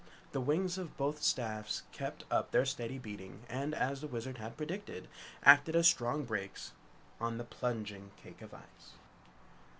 The wings of both staffs kept up their steady beating and, as the Wizard had predicted, acted as strong brakes on the plunging cake of ice.